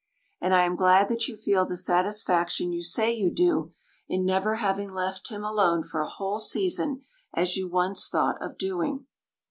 And I am glad that you feel the satisfaction you say you do, in never having left him alone for a whole season as you once thought of doing.